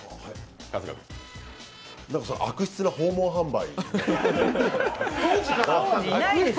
悪質な訪問販売。